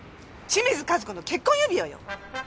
清水和子の結婚指輪よ！